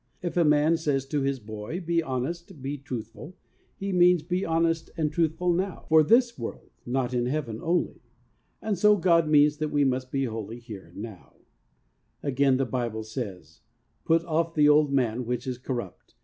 If a man says to his boy, 'Be honest, be truthful,' he means. Be honest and truthful now, for this world, not in Heaven only. And so God means that we must be holy here and now. 30 THE WAY OF HOLINESS Again the Bible says, ' Put oflF ... the old man, which is corrupt